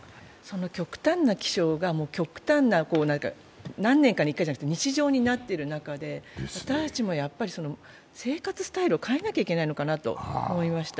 極端な気象が、何年かに１回じゃなくて日常になってる中で私たちも生活スタイルを変えなきゃいけないのかなと思いました。